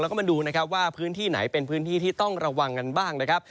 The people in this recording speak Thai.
แล้วก็มาดูนะครับว่าพื้นที่ไหนเป็นพื้นที่ที่ต้องระวังกันบ้างนะครับ